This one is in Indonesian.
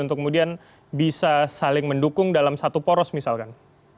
untuk kemudian bisa saling mendukung dalam satu poros misalkan